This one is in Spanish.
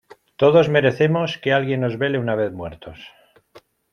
todos merecemos que alguien nos vele una vez muertos.